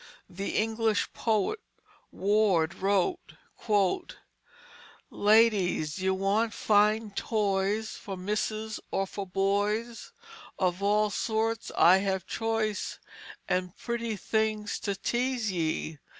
The English poet, Ward, wrote: "Ladies d'y want fine Toys For Misses or for Boys Of all sorts I have Choice And pretty things to tease ye.